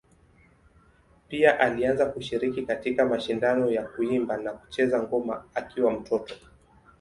Pia alianza kushiriki katika mashindano ya kuimba na kucheza ngoma akiwa mtoto.